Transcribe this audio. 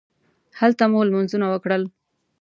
هلته مو لمونځونه وکړل.